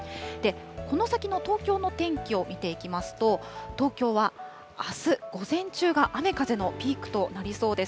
この先の東京の天気を見ていきますと、東京はあす午前中が雨風のピークとなりそうです。